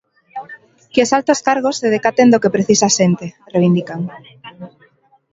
"Que os altos cargos se decaten do que precisa a xente", reivindican.